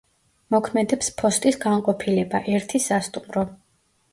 მოქმედებს ფოსტის განყოფილება, ერთი სასტუმრო.